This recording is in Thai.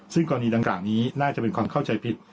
ซึ่งกรณีดังกล่าวนี้น่าจะเป็นความเข้าใจผิด